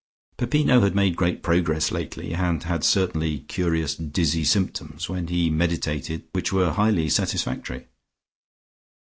Peppino had made great progress lately and had certain curious dizzy symptoms when he meditated which were highly satisfactory.